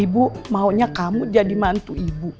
ibu maunya kamu jadi mantu ibu